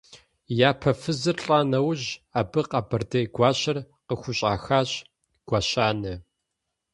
И япэ фызыр лӀа нэужь, абы къэбэрдей гуащэр къыхущӀахащ – Гуащэнэ.